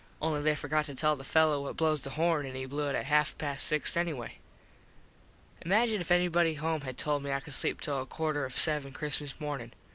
Only they forgot to tell the fello what blows the horn an he blew it at hap past six anyway. Imagine if anybody home had told me I could sleep till a quarter of seven Christmas morning.